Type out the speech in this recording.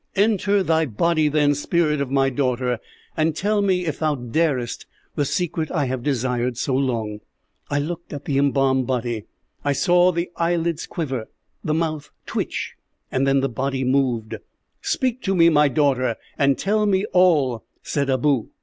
"'Enter thy body then, spirit of my daughter, and tell me, if thou darest, the secret I have desired so long.' "I looked at the embalmed body. I saw the eyelids quiver, the mouth twitch, and then the body moved. "'Speak to me, my daughter, and tell me all,' said Abou.